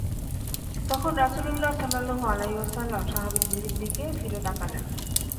তখন রাসূলুল্লাহ সাল্লাল্লাহু আলাইহি ওয়াসাল্লাম সাহাবীদের দিকে ফিরে তাকালেন।